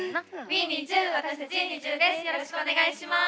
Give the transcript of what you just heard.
よろしくお願いします。